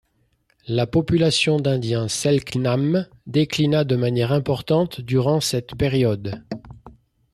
La population d'indiens Selknam déclina de manière importante durant cette période.